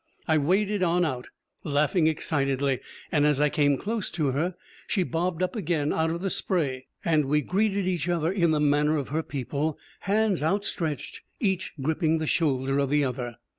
I waded on out, laughing excitedly, and as I came close to her, she bobbed up again out of the spray, and we greeted each other in the manner of her people, hands outstretched, each gripping the shoulder of the other.